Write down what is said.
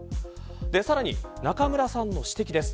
さらに、中村さんの指摘です。